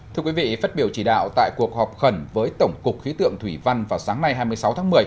thưa quý vị phát biểu chỉ đạo tại cuộc họp khẩn với tổng cục khí tượng thủy văn vào sáng nay hai mươi sáu tháng một mươi